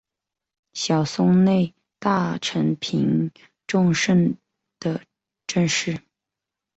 小松内大臣平重盛的正室。